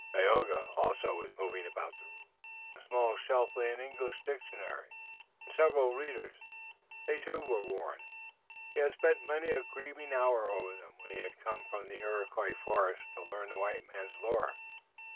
Tayoga, also was moving about the room. On a small shelf lay an English dictionary and several readers. They too were worn. He had spent many a grieving hour over them when he had come from the Iroquois forests to learn the white man's lore.